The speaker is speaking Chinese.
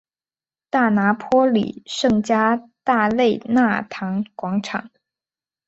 大拿坡里圣加大肋纳堂广场。